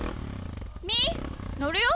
みーのるよ。